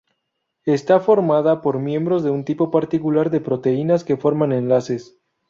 Está formada por miembros de un tipo particular de proteínas que forman enlaces.